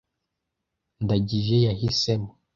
Ndagije yahisemo.